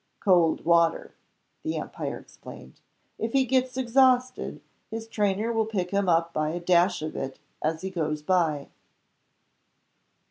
"Cold water," the umpire explained. "If he gets exhausted, his trainer will pick him up with a dash of it as he goes by."